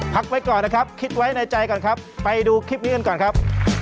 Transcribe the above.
พักไว้ก่อนนะครับคิดไว้ในใจก่อนครับไปดูคลิปนี้กันก่อนครับ